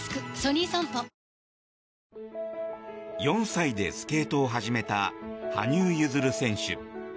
４歳でスケートを始めた羽生結弦選手。